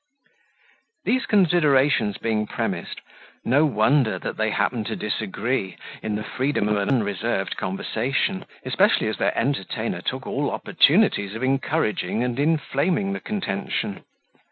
These considerations being premised, no wonder that they happened to disagree in the freedom of an unreserved conversation, especially as their entertainer took all opportunities of encouraging and inflaming the contention.